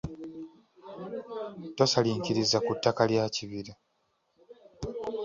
Tosalinkiriza ku ttaka lya kibira.